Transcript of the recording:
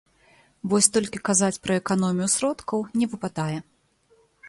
Вось толькі казаць пра эканомію сродкаў не выпадае.